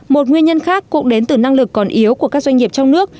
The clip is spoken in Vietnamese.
một nguyên nhân khác cũng đến từ năng lực còn yếu của các doanh nghiệp trong nước